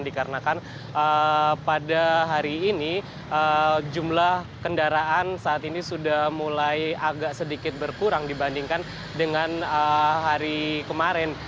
dikarenakan pada hari ini jumlah kendaraan saat ini sudah mulai agak sedikit berkurang dibandingkan dengan hari kemarin